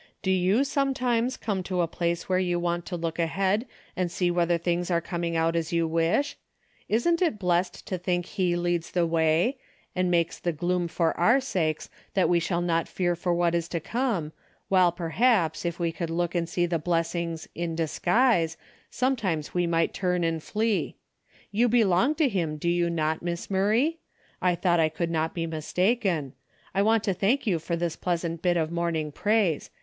Do you, sometimes, come to a place where you want to look ahead and see whether things are coming out as you wish ? Isn't it blessed to think he leads the way, and makes the gloom for our DAILY RATEV 263 sakes that we shall not fear for what is to come, while perhaps if we could look and see the blessings — in disguise — sometimes we might turn and dee. You belong to him, do you not . Miss Murray ? I thought I could not be mistaken. I want to thank you for this pleasant bit of morning praise.